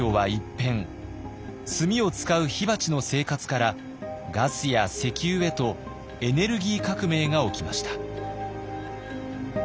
炭を使う火鉢の生活からガスや石油へとエネルギー革命が起きました。